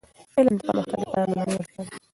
علم د پرمختګ لپاره لومړنی اړتیا ده.